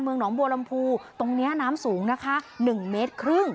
เมืองหนองบัวลำพูตรงนี้น้ำสูง๑๕เมตร